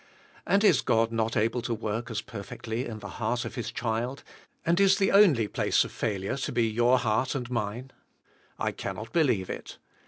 And is God not able to work as perfectly in the heart of His child, and is the only place of failure to be your heart and mine ? I cannot believe it.